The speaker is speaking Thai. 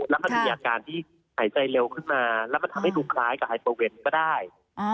แล้วมันมีอาการที่หายใจเร็วขึ้นมาแล้วมันทำให้ดูคล้ายกับไฮโซเวนก็ได้